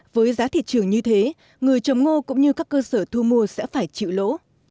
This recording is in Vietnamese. với giá thị trường như thế người trồng ngô cũng như các cơ sở thu mua sẽ phải chịu lỗ